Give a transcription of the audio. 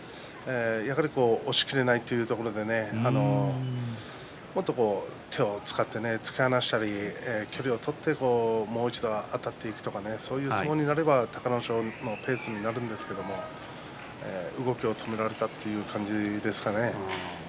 やはり押しきれないというところでもっと手を使って突き放したり距離を取ってもう一度あたっていくとかそういう相撲になれば隆の勝のペースになるんですが動きを止められたという感じですかね。